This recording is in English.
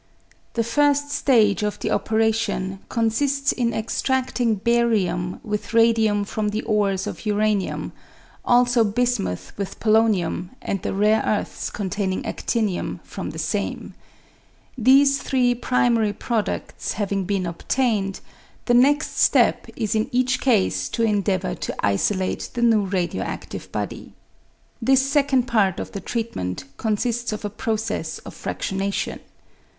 The first stage of the operation consists in extrading barium with radium from the ores of uranium, also bismuth with polonium and the rare earths containing adinium from the same. These three primary produds having been obtained, the next step is in each case to endeavour to isolate the new radio adive body. This second part of the treatment consists of a process of fradionation.